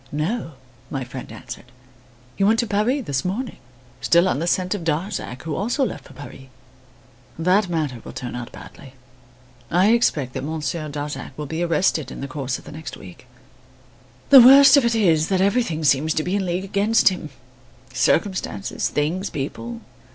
"No," my friend answered. "He went to Paris this morning, still on the scent of Darzac, who also left for Paris. That matter will turn out badly. I expect that Monsieur Darzac will be arrested in the course of the next week. The worst of it is that everything seems to be in league against him, circumstances, things, people.